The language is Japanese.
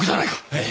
ええ。